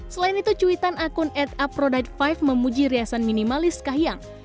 selain itu cuitan akun adapproduct lima memuji riasan minimalis kahiyang